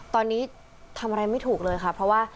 ตอนนี้ทำอะไรไม่ถูกเลยค่ะ